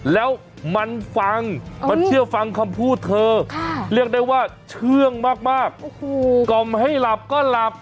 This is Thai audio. แล้วมันฟังมันเชื่อฟังคำพูดเธอเรียกได้ว่าเชื่องมากกล่อมให้หลับก็หลับ